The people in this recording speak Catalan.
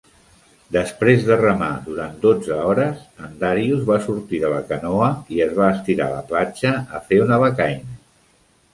Desprès de remar durant dotze hores, en Darius va sortir de la canoa i es va estirar a la platja a fer una becaina.